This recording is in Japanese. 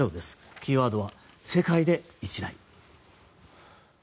キーワードは世界で１台。